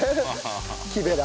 木べら。